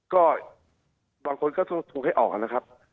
ก็บางคนก็ถูกให้ออกนะครับ